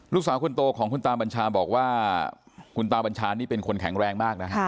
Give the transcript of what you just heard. ลูกสาวคนโตของคุณตาบัญชาบอกว่าคุณตาบัญชานี่เป็นคนแข็งแรงมากนะฮะ